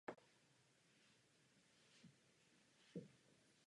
V rámci města a blízkého okolí zajišťují osobní železniční přepravu příměstské vlaky.